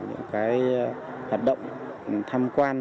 hoạt động tham quan